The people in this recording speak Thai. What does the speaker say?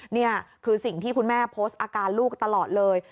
นี่คือสิ่งที่คุณแม่โพสต์อาการลูกตลอดเลย